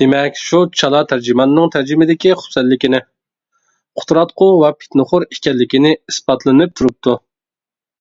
دېمەك شۇ چالا تەرجىماننىڭ تەرجىمىدىكى خۇپسەنلىكنى، قۇتراتقۇ ۋە پىتنىخور ئىكەنلىكىنى ئىسپاتلىنىپ تۇرۇپتۇ.